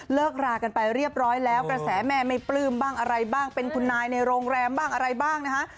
รากันไปเรียบร้อยแล้วกระแสแม่ไม่ปลื้มบ้างอะไรบ้างเป็นคุณนายในโรงแรมบ้างอะไรบ้างนะคะ